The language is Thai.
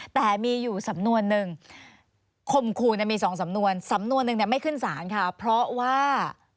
แต่มีอยู่สำนวนนึงคมครูมี๒สำนวนสำนวนนึงไม่ขึ้นสารค่ะเพราะว่า